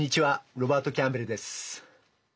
ロバート・キャンベルです。